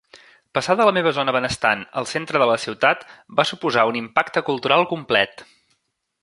Passar de la meva zona benestant al centre de la ciutat va suposar un impacte cultural complet.